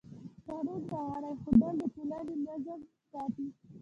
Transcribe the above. قانون ته غاړه ایښودل د ټولنې نظم ساتي.